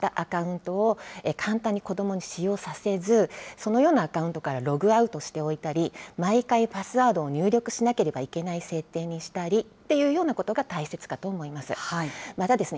クレジットカードなどを登録したアカウントを簡単に子どもに使用させず、そのようなアカウントからログアウトしておいたり、毎回、パスワードを入力しなければいけない設定にしたりっていうようなことが大切かと思います。